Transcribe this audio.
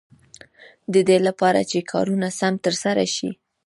د دې لپاره چې کارونه سم تر سره شي.